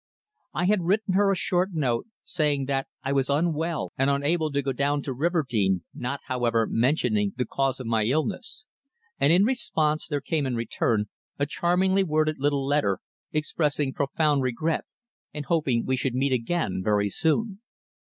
I had written her a short note, saying that I was unwell and unable to go down to Riverdene, not, however, mentioning the cause of my illness, and in response there came in return a charmingly worded little letter, expressing profound regret and hoping we should meet again very soon.